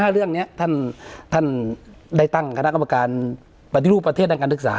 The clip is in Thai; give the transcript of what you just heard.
เรื่องนี้ท่านได้ตั้งคณะกรรมการปฏิรูปประเทศด้านการศึกษา